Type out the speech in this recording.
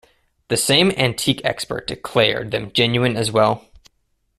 The same antique expert declared them genuine as well.